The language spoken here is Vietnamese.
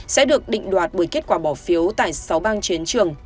sẽ được định đoạt bởi kết quả bỏ phiếu tại sáu bang chiến trường